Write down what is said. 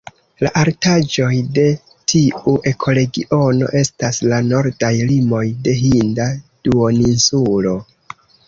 La altaĵoj de tiu ekoregiono estas la nordaj limoj de Hinda duoninsulo.